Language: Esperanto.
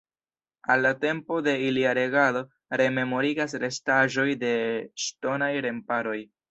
Al la tempo de ilia regado rememorigas restaĵoj de ŝtonaj remparoj.